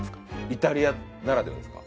イタリアならではですか？